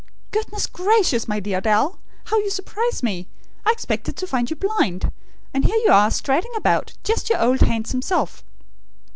"Goodness gracious, my dear Dal! How you surprise me! I expected to find you blind! And here you are striding about, just your old handsome self!"